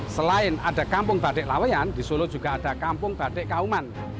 selain ada kampung badek lawayan di solo juga ada kampung badek kauman